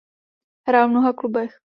Hrál v mnoha klubech.